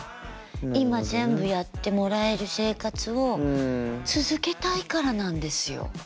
今全部やってもらえる生活を続けたいからなんですよ。